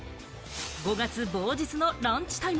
５月某日のランチタイム。